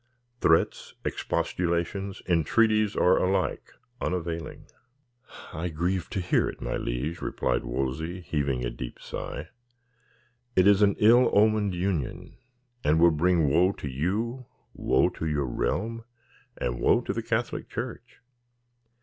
Threats, expostulations, entreaties are alike unavailing." "I grieve to hear it, my liege," replied Wolsey, heaving a deep sigh. "It is an ill omened union, and will bring woe to you, woe to your realm, and woe to the Catholic Church."